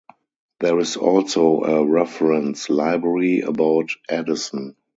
There is also a reference library about Edison.